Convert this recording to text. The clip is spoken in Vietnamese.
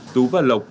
tú và lộc